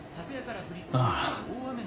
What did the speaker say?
ああ。